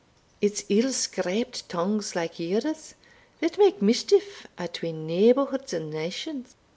it's ill scraped tongues like yours, that make mischief atween neighbourhoods and nations.